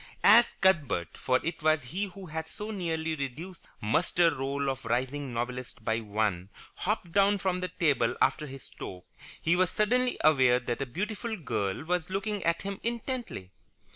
As Cuthbert, for it was he who had so nearly reduced the muster roll of rising novelists by one, hopped down from the table after his stroke, he was suddenly aware that a beautiful girl was looking at him intently.